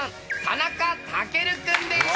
田中丈琉君です。